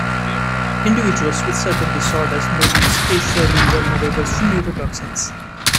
Individuals with certain disorders may be especially vulnerable to neurotoxins.